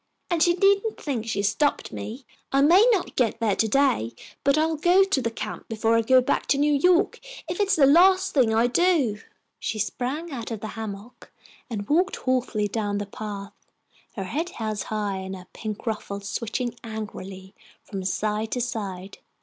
And she needn't think she has stopped me. I may not get there to day, but I'll go to that camp before I go back to New York if it's the last thing I do." She sprang out of the hammock and walked haughtily down the path, her head held high, and her pink ruffles switching angrily from side to side.